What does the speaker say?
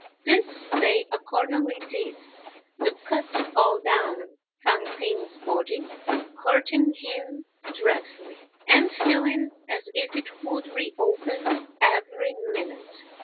This they accordingly did, the cut all down Fang p'ing's body hurting him dreadfully, and feeling as if it would re open every minute.